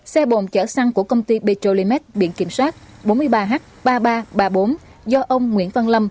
xe bồn chở xăng của công ty petrolimax biển kiểm soát bốn mươi ba h ba nghìn ba trăm ba mươi bốn do ông nguyễn văn lâm